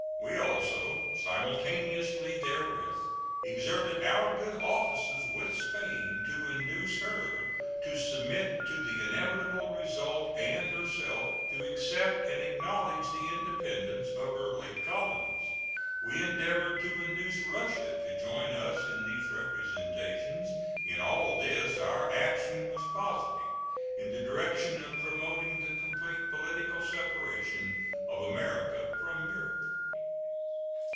We also, simultaneously therewith, exerted our good offices with Spain to induce her to submit to the inevitable result and herself to accept and acknowledge the independence of her late colonies. We endeavored to induce Russia to join us in these representations. In all this our action was positive, in the direction of promoting the complete political separation of America from Europe.